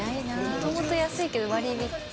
もともと安いけど割引？